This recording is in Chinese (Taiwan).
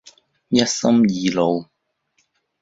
一心二路